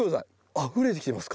あふれてきてます